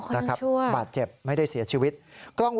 ค่ะครับบาดเจ็บไม่ได้เสียชีวิตเค้าต้องช่วย